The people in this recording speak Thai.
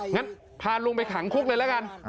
งั้นพาลุงไปขังคุกเลยละกัน